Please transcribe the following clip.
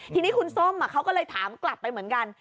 ทีนี้คุณส้มเขาก็เลยถามกลับไปเหมือนกัน